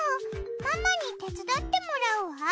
ママに手伝ってもらうわ。